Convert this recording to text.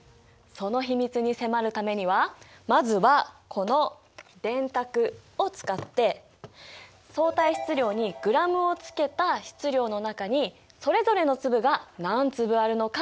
その秘密に迫るためにはまずはこの電卓を使って相対質量にｇをつけた質量の中にそれぞれの粒が何粒あるのか計算してみよう！